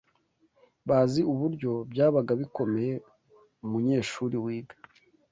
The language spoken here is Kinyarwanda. bazi uburyo byabaga bikomeye umunyeshuri wiga